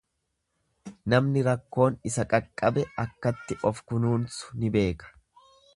Namni rakkoon isa qaqqabe akkatti of kunuunsu ni beeka.